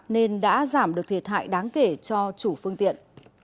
nên đã giảm được thiệt hại đáng kể cho chủ phương tiện